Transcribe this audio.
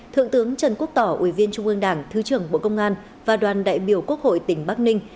thượng tướng trần quốc tỏ ủy viên trung ương đảng thứ trưởng bộ công an và đoàn đại biểu quốc hội tỉnh bắc ninh